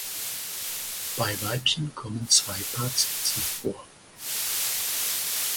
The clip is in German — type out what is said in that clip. Bei Weibchen kommen zwei Paar Zitzen vor.